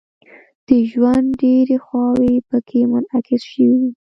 د ژوند ډیرې خواوې پکې منعکس شوې وي.